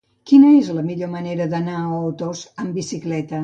Quina és la millor manera d'anar a Otos amb bicicleta?